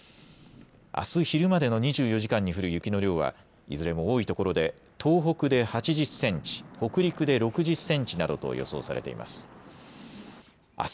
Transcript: あす昼までの２４時間に降る雪の量はいずれも多いところで東北で８０センチ、北陸で６０センチなどと予想されています。